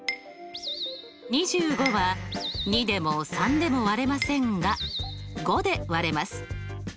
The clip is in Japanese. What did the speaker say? ２５は２でも３でも割れませんが５で割れます。